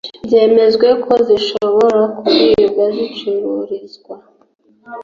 Byemejwe ko zishobora kuribwa zicururizwa